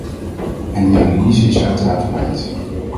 En die analyse is uiteraard correct!